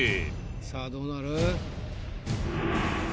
さあどうなる？